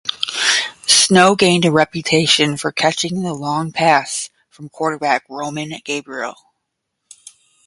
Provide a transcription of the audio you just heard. Snow gained a reputation for catching the long pass from quarterback Roman Gabriel.